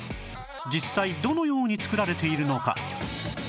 実際どのように作られているのか？